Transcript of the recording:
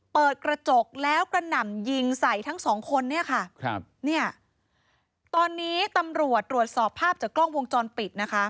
เปิดกระจกแล้วกระหน่ำยิงใส่ทั้งสองคนเนี่ยค่ะครับเนี่ยตอนนี้ตำรวจตรวจสอบภาพจากกล้องวงจรปิดนะคะ